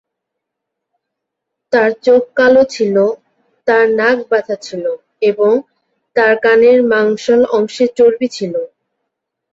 তার চোখ কালো ছিল, তার নাক বাঁধা ছিল, এবং তার কানের মাংসল অংশে চর্বি ছিল।